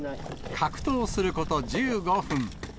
格闘すること１５分。